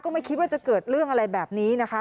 ไม่คิดว่าจะเกิดเรื่องอะไรแบบนี้นะคะ